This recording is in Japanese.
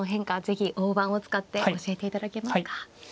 是非大盤を使って教えていただけますか。